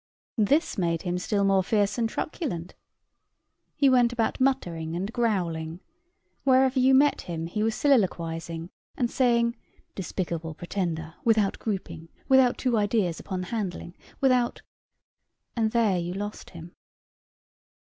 This made him still more fierce and truculent. He went about muttering and growling; wherever you met him he was soliloquizing and saying, "despicable pretender without grouping without two ideas upon handling without" and there you lost him.